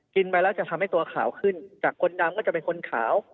กินไปแล้วจะทำให้ตัวขาวขึ้นจากคนดำก็จะเป็นคนขาว